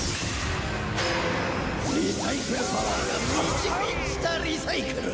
リサイクルパワーが満ち満ちたリサイクル！